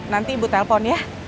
nanti ibu telpon ya